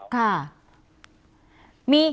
ค่ะ